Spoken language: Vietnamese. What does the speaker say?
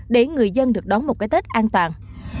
để người dân được đón một cái tết an toàn